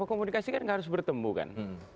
komunikasi kan harus bertemu kan